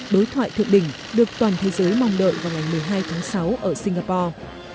đối thoại thượng đỉnh được toàn thế giới mong đợi vào ngày một mươi hai tháng sáu ở singapore